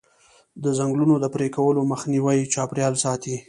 د ځنګلونو د پرې کولو مخنیوی چاپیریال ساتي.